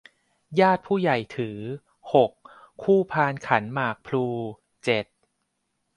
ญาติผู้ใหญ่ถือ หก คู่พานขันหมากพลู เจ็ด